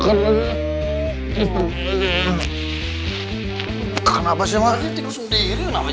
kenapa sih mama